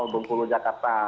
delapan belas bengkulu jakarta